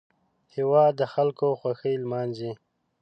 هېواد د خلکو خوښۍ لمانځي